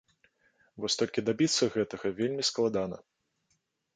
Вось толькі дабіцца гэтага вельмі складана.